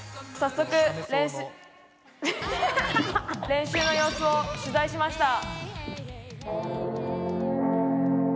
練習の様子を取材しました。